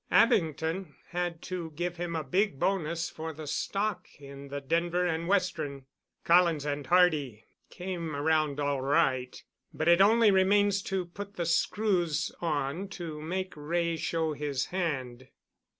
Abington had to give him a big bonus for the stock in the Denver and Western. Collins and Hardy came around all right, and it only remains to put the screws on to make Wray show his hand."